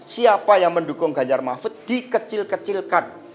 siapa yang mendukung ganjar mahfud dikecil kecilkan